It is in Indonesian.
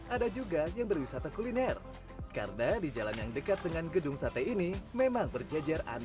ada juga yang berwisata kuliner karena di jalan yang dekat dengan gedung sate ini memang berjejeran